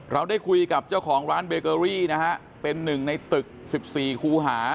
เราได้คุยกับเจ้าของร้านเบเกอรี่นะฮะเป็นหนึ่งในตึก๑๔คูหา